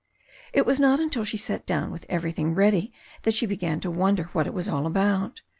It was not until she sat down with everything ready that she began to wonder what it was all about.